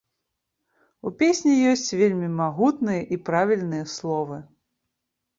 У песні ёсць вельмі магутныя і правільныя словы.